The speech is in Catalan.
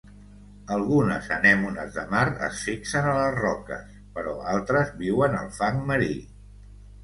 Algunes anemones de mar es fixen a les roques, però altres viuen al fang marí.